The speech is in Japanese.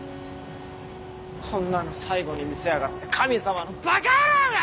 こんなの最後に見せやがって神様のバカ野郎が！